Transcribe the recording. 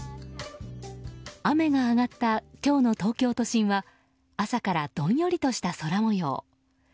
雨が上がった今日の東京都心は朝からどんよりとした空模様。